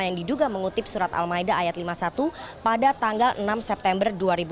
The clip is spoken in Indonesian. yang diduga mengutip surat al maida ayat lima puluh satu pada tanggal enam september dua ribu dua puluh